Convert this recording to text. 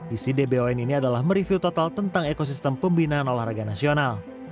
isi dbon ini adalah mereview total tentang ekosistem pembinaan olahraga nasional